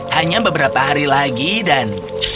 hanya beberapa hari lagi dan